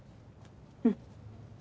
うん。